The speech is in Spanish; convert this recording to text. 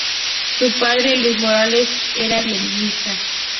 Su padre, Luis Morales era violinista.